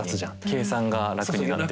計算が楽になって。